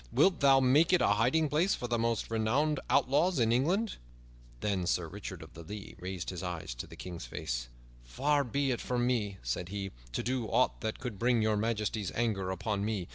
Wilt thou make it a hiding place for the most renowned outlaws in England?" Then Sir Richard of the Lea raised his eyes to the King's face. "Far be it from me," said he, "to do aught that could bring Your Majesty's anger upon me.